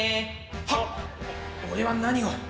はっ俺は何を。